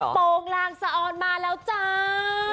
โปรงลางสะออนมาแล้วจ้า